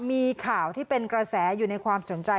มีข่าวที่เป็นกระแสอยู่ในความสนใจ